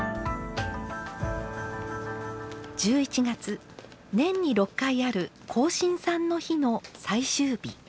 １１月年に６回ある庚申さんの日の最終日。